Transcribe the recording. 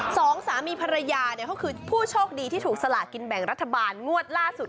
สองสามีภรรยาเนี่ยเขาคือผู้โชคดีที่ถูกสลากินแบ่งรัฐบาลงวดล่าสุด